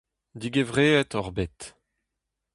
Digevreet oc'h bet.